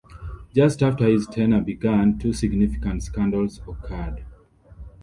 Just after his tenure began, two significant scandals occurred.